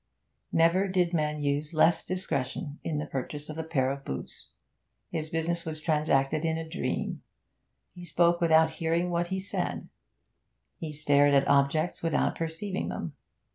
Never did man use less discretion in the purchase of a pair of boots. His business was transacted in a dream; he spoke without hearing what he said; he stared at objects without perceiving them.